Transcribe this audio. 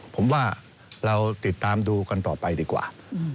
ผมว่าเราติดตามดูกันต่อไปดีกว่า